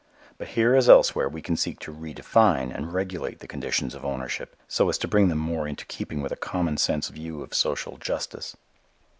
But here as elsewhere we can seek to re define and regulate the conditions of ownership so as to bring them more into keeping with a common sense view of social justice.